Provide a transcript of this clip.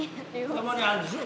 たまにあるでしょ？